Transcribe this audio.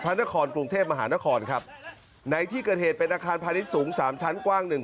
พระนาคองกรุงเทพมหานครครับในที่เกิดเหตุเป็นอาคารพรรษสูงสามชั้นกว้าง